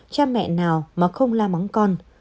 cha mẹ nào mà không la mắng con